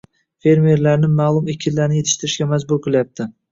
- fermerlarni ma’lum ekinlarni yetishtirishga majbur qilyapti;